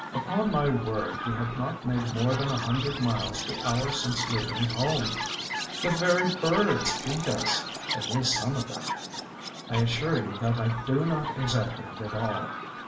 Upon my word we have not made more than a hundred miles the hour since leaving home! The very birds beat us—at least some of them. I assure you that I do not exaggerate at all.